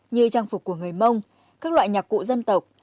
như trang phục của người mông các loại nhạc cụ dân tộc